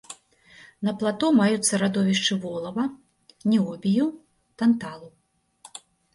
На плато маюцца радовішчы волава, ніобію, танталу.